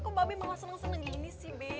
kok babi malah seneng seneng gini sih be